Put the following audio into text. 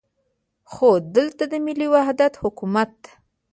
خو دلته د ملي وحدت حکومت.